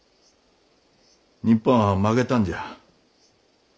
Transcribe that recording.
日本は負けたんじゃ。